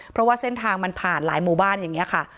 เพราะว่าเส้นทางมันผ่านหลายหมู่บ้านอย่างนี้ค่ะ